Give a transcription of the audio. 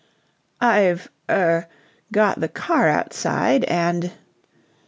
"I've er got the car outside, and..."